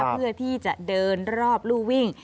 เพื่อที่จะเดินรอบรู่วิ่ง